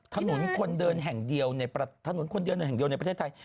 ถนนคนเดินแห่งเดียวในประเทศไทย